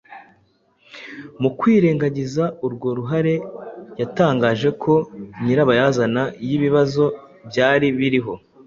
Mu kwirengagiza urwo ruhare yatangaje ko nyirabayazana y'ibibazo byari biriho